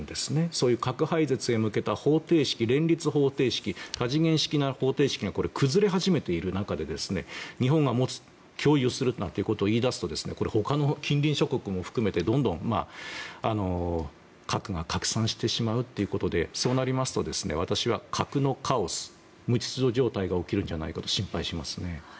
そういった核廃絶へ向けた連立方程式多次元的な方程式が崩れ始めている中で日本が共有するなんて言い出すと他の近隣諸国も含めてどんどん核が拡散してしまうということでそうなりますと私は核のカオス無秩序状態が起きるんじゃないかと心配しますね。